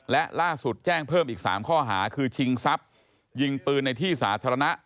และล่าสุดแจ้งเพิ่มอีก๓ข้อหาคือชิงทรัพย์ยิงปืนในที่สาธารณะ